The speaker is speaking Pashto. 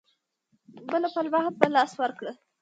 بله پلمه هم په لاس ورکړه.